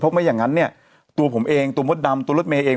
ไม่อย่างนั้นเนี่ยตัวผมเองตัวมดดำตัวรถเมย์เอง